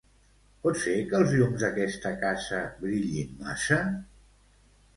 Pot ser que els llums d'aquesta casa brillin massa?